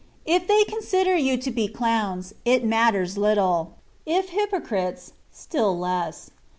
If they consider you to be cloumSy it matters little ; if hypocrites, still less.